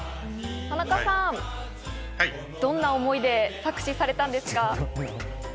田中さん、どんな思いで作詞されたんですか？